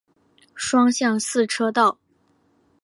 双向四车道。